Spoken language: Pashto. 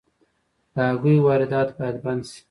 د هګیو واردات باید بند شي